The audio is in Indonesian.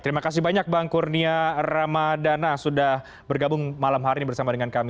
terima kasih banyak bang kurnia ramadana sudah bergabung malam hari ini bersama dengan kami